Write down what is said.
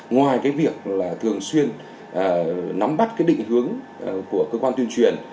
ngoài cái việc là thường xuyên nắm bắt cái định hướng của cơ quan tuyên truyền